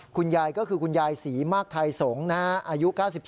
คุณยายก็คือคุณยายศรีมากไทยสงฆ์อายุ๙๒